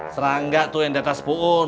serangga tuh yang diatas puun